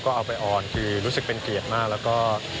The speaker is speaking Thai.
ก็เอาไปอรนพี่รู้สึกเป็นเกลียดมากแล้วก็